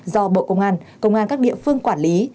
do bộ công an công an các địa phương quản lý